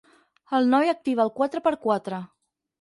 El noi activa el quatre per quatre.